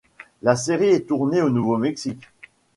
La série est tournée au Nouveau-Mexique.